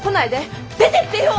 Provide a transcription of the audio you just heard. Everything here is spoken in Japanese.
出てってよ！